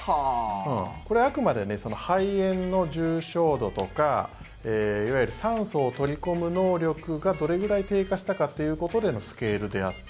これはあくまで肺炎の重症度とかいわゆる酸素を取り込む能力がどれぐらい低下したかということでのスケールであって。